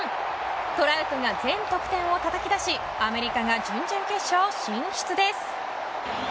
トラウトが全得点をたたき出しアメリカが準々決勝進出です。